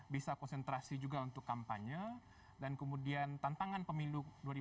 bisa konsentrasi juga untuk kampanye dan kemudian tantangan pemilu dua ribu dua puluh